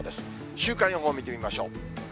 週間予報を見てみましょう。